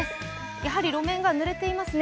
やはり路面がぬれていますね